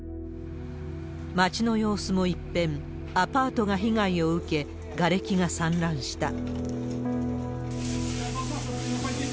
街の様子も一変、アパートが被害を受け、がれきが散乱した。